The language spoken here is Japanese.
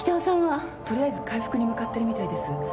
とりあえず回復に向かってるみたいです。